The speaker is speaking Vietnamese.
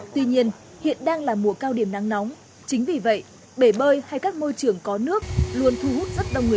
tuy nhiên hiện đang là mùa cao điểm nắng nóng chính vì vậy bể bơi hay các môi trường có nước luôn thu hút rất đông người